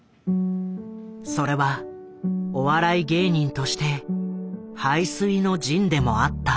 それはお笑い芸人として背水の陣でもあった。